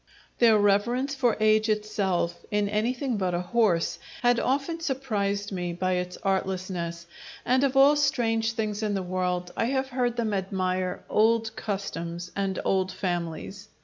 Their reverence for age itself, in anything but a horse, had often surprised me by its artlessness, and of all strange things in the world, I have heard them admire old customs and old families.